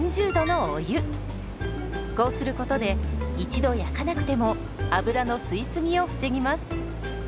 こうすることで一度焼かなくても油の吸い過ぎを防ぎます。